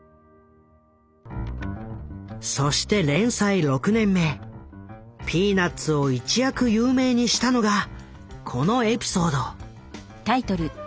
そして連載６年目「ピーナッツ」を一躍有名にしたのがこのエピソード。